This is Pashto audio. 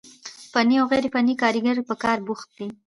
فني او غير فني کاريګر په کار بوخت وي،